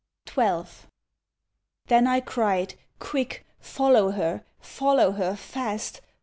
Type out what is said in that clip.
XII. Then I cried, “Quick! Follow her. Follow her. Fast!